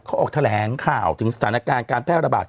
เขาออกแถลงข่าวถึงสถานการณ์การแพร่ระบาด